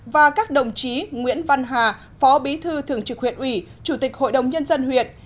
và các đồng chí nguyễn văn hà phó bí thư thường trực huyện ủy chủ tịch hội đồng nhân dân huyện